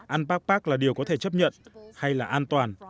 ăn pac pac là điều có thể chấp nhận hay là an toàn